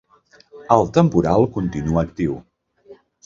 El temporal continua actiu.